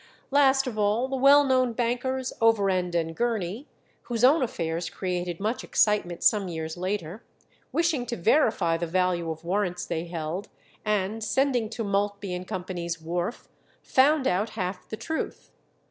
Last of all, the well known bankers Overend and Gurney, whose own affairs created much excitement some years later, wishing to verify the value of warrants they held, and sending to Maltby and Co.'s wharf, found out half the truth.